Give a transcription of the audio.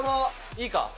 いいか。